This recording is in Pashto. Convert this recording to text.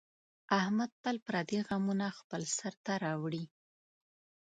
احمد تل پردي غمونه خپل سر ته راوړي.